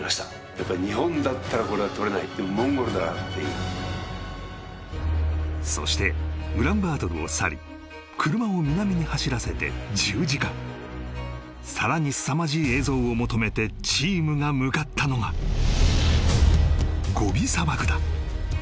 やっぱり日本だったらこれは撮れないでもモンゴルならっていうそしてウランバートルを去り車を南に走らせて１０時間さらにすさまじい映像を求めてチームが向かったのがゴビ砂漠だ